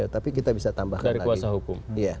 tapi kita bisa tambahkan lagi hukum